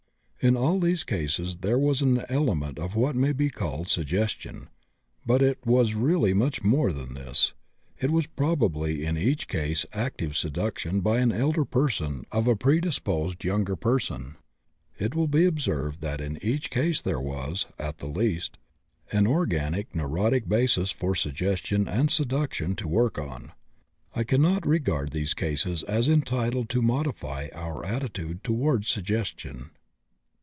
In all these cases there was an element of what may be called suggestion, but it was really much more than this; it was probably in each case active seduction by an elder person of a predisposed younger person. It will be observed that in each case there was, at the least, an organic neurotic basis for suggestion and seduction to work on. I cannot regard these cases as entitled to modify our attitude toward suggestion.